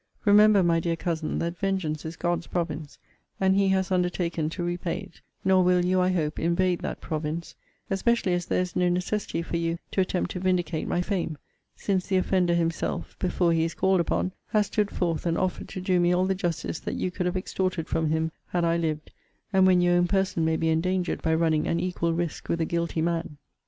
Remember, my dear Cousin, that vengeance is God's province, and he has undertaken to repay it; nor will you, I hope, invade that province: especially as there is no necessity for you to attempt to vindicate my fame; since the offender himself (before he is called upon) has stood forth, and offered to do me all the justice that you could have extorted from him, had I lived: and when your own person may be endangered by running an equal risque with a guilty man.